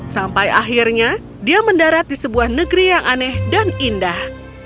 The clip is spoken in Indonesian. sampai akhirnya dia mendarat di sebuah negeri yang aneh dan indah